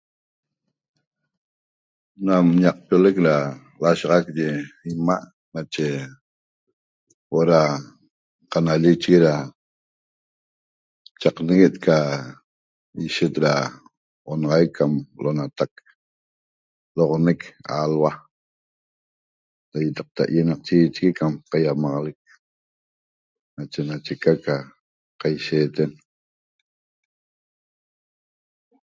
Nam ñaqpioleq da lashaxaq eye imaa' nache huoo da canallechegue da chaq neguet ca sihet da onaxaic cam loxonataq loxonec aluaa' iotaqta iaiamaqchichiguiñe cam ianeq nache nache eca ca caisheten